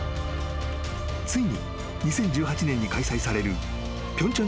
［ついに２０１８年に開催される平昌